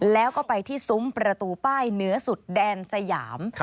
แล้วก็ไปที่ซุ้มประตูป้ายเนื้อสุดแดนสยาม